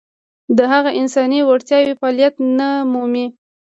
د هغه انساني وړتیاوې فعلیت نه مومي.